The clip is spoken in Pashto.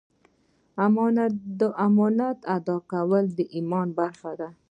د امانت ادا کول د ایمان برخه ده.